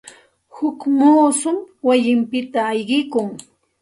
Huk muusum wayinpita ayqikun.